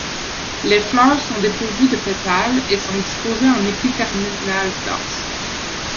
Les fleurs sont dépourvues de pétales et sont disposées en épi terminal dense.